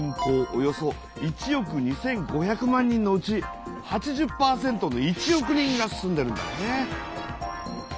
およそ１億２，５００万人のうち８０％の１億人が住んでるんだね。